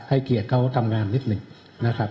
ให้เกียรติเขาทำงานนิดหนึ่งนะครับ